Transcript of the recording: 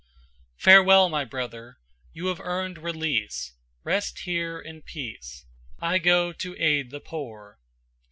Farewell, my brother, you have earned release Rest here in peace. I go to aid the poor."